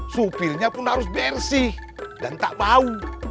supirnya pun harus bersih dan tak bau